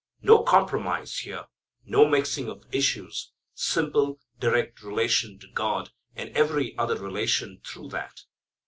No compromise here. No mixing of issues. Simple, direct relation to God, and every other relation through that.